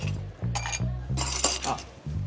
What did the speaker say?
あっ。